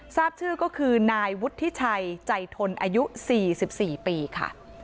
ทราบชื่อก็คือนายวุฒิชัยใจทนอายุ๔๔ปีค่ะ